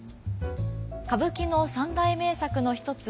歌舞伎の三大名作の一つ